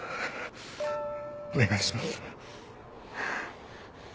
お願いします。